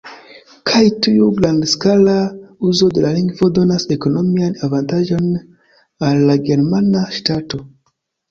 Kaj tiu grandskala uzo de la lingvo donas ekonomian avantaĝon al la germana ŝtato.